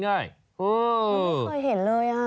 ไม่เคยเห็นเลย